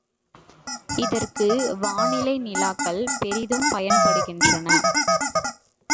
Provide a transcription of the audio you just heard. இதற்கு வானிலை நிலாக்கள் பெரிதும் பயன்படுகின்றன.